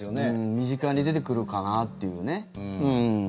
身近に出てくるかなっていうね。